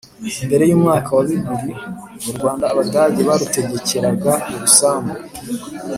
Mbere y'umwaka wa bibiri, u Rwanda Abadage barutegekeraga urusumbu